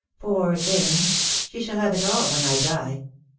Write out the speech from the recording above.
" Poor thing !— she shall have it all when I die.